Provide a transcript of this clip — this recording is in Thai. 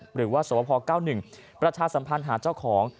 หรือว่าสวพ๙๑ประชาสัมพันธ์หาเจ้าของ